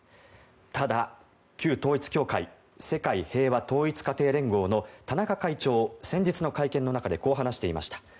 ただ、旧統一教会世界平和統一家庭連合の田中会長、先日の会見の中でこう話していました。